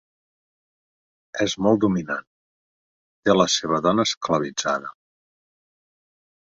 És molt dominant: té la seva dona esclavitzada.